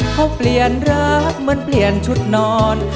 เขาเปลี่ยนรักเหมือนเปลี่ยนชุดนอน